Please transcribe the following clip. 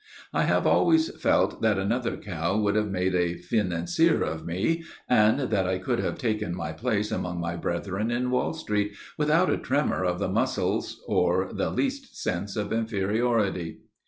I have always felt that another cow would have made a financier of me, and that I could have taken my place among my brethren in Wall Street without a tremor of the muscles or the least sense of inferiority.